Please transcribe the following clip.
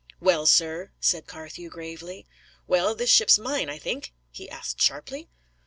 "Well, sir?" said Carthew, gravely. "Well, this ship's mine, I think?" he asked sharply.